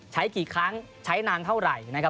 ใช้กี่ครั้งใช้นานเท่าไหร่